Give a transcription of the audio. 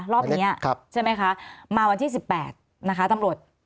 รอบนี้ใช่ไหมคะมาวันที่๑๘นะคะตำรวจ